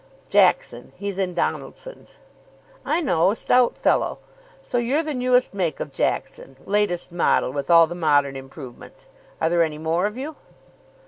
"Jackson. He's in Donaldson's." "I know. A stout fellow. So you're the newest make of Jackson, latest model, with all the modern improvements? Are there any more of you?"